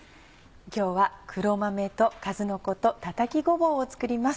今日は「黒豆」と「かずのこ」と「たたきごぼう」を作ります。